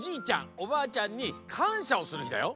おばあちゃんにかんしゃをする日だよ。